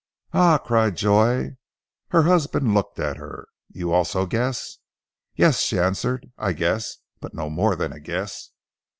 "Ah!" cried Joy. Her husband looked at her. "You also guess?" "Yes!" she answered. "I guess but no more than guess!"